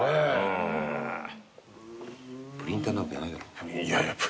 プリンターなんかいらないだろ。